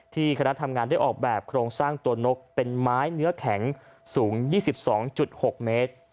คณะทำงานได้ออกแบบโครงสร้างตัวนกเป็นไม้เนื้อแข็งสูง๒๒๖เมตร